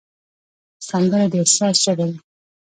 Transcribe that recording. سندره د احساس ژبه ده